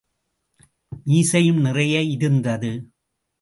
மீசையும் நிறைய இருந்தது.